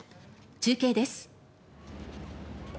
中継です。